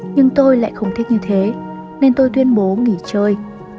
nhưng tôi lại không thích như thế nên tôi tuyên bố nghỉ chơi